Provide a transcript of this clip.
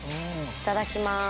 いただきます。